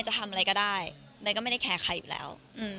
จะทำอะไรก็ได้เนยก็ไม่ได้แคร์ใครอยู่แล้ว